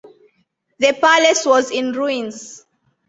The Palace was in ruins.